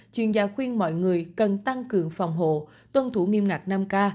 chuyên gia khuyên mọi người cần tăng cường phòng hộ tuân thủ nghiêm ngặt năm k